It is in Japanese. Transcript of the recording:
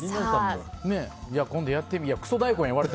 今度、やってみよう。